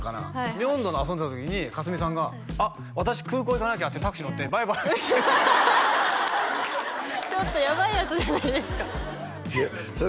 ミョンドンで遊んでた時に佳純さんが「あっ私空港行かなきゃ」ってタクシー乗ってバイバーイってちょっとやばいヤツじゃないですかそれ